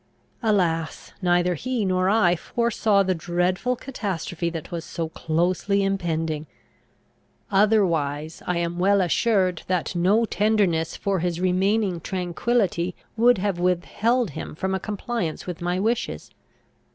Alas, neither he nor I foresaw the dreadful catastrophe that was so closely impending! Otherwise, I am well assured that no tenderness for his remaining tranquillity would have withheld him from a compliance with my wishes!